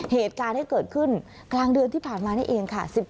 เหตุการณ์ที่เกิดขึ้นกลางเดือนที่ผ่านมานี่เองค่ะ